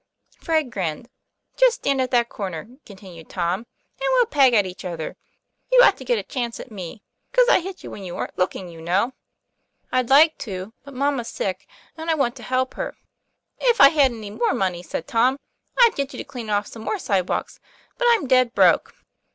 Fred grinned. ' Just stand at that corner," continued Tom, " and we'll peg at each other. You ought to get a chance at me, because I hit you when you weren't looking, you know." 'I'd like to, but mamma's sick and I want to help her." 'If I had any more money," said Tom, "I'd get you to clean off some more sidewalks; but I'm dead broke."